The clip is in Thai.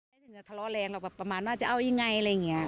ถึงจะทะเลาะแรงเราแบบประมาณว่าจะเอายังไงอะไรอย่างนี้